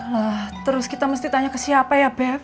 lha terus kita mesti tanya ke siapa ya beb